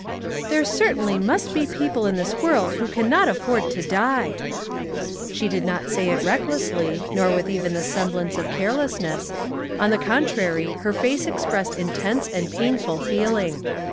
j^gr^ HERE certainly must be people in this tf lE "^'<^^^^ "^^o c^^ ^ot ajfford to die I " She did not say it recklessly, nor with even the semblance of carelessness; on the contrary her face expressed intense and painful feeling.